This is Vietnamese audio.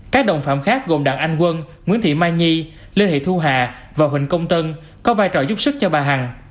các đồng phạm khác gồm đảng anh quân nguyễn thị mai nhi lê thị thu hà và huỳnh công tân có vai trò giúp sức cho bà hằng